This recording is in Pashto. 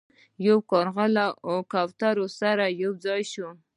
یو کارغه له کوترو سره یو ځای شو.